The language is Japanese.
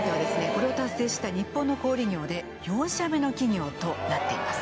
これを達成した日本の小売業で４社目の企業となっています